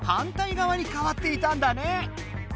がわにかわっていたんだね。